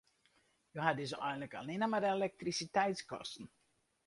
Jo ha dus eigenlik allinne mar elektrisiteitskosten.